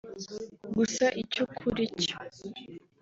Gusa icy’ukuri cyo